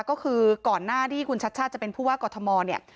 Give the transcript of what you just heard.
ก็คือก่อนหน้าที่คุณชัชชาติจะเป็นผู้ว่ากอทมเนี่ย